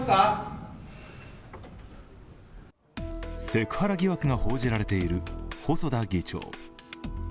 セクハラ疑惑が報じられている細田議長。